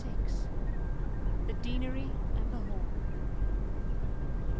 THE DEANERY AND THE HALL.